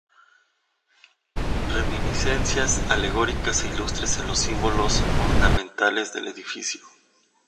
Reminiscencias alegóricas e ilustres en los símbolos ornamentales del edificio.